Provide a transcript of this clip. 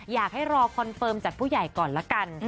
รอคอนเฟิร์มจากผู้ใหญ่ก่อนละกัน